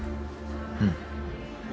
うん。